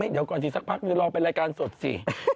อีกเดี๋ยวก่อนมันน่าจะไปรายการสดสิ